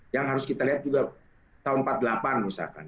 yang harus kita lihat juga tahun seribu sembilan ratus empat puluh delapan misalkan